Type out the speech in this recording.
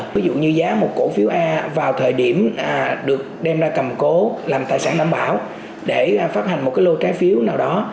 ví dụ như giá một cổ phiếu a vào thời điểm được đem ra cầm cố làm tài sản đảm bảo để phát hành một lô trái phiếu nào đó